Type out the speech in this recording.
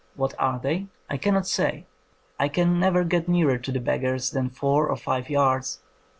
What are they? I cannot say. lean never get nearer to the beggars than four or five yards.